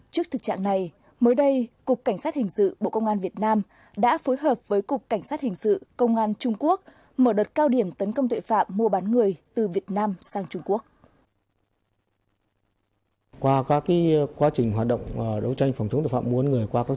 trước thực trạng này mới đây cục cảnh sát hình sự bộ công an việt nam đã phối hợp với cục cảnh sát hình sự công an trung quốc mở đợt cao điểm tấn công tuệ phạm mua bán người từ việt nam sang trung quốc